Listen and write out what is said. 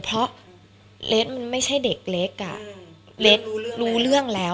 เพราะเลสมันไม่ใช่เด็กเล็กอ่ะเรสรู้เรื่องแล้ว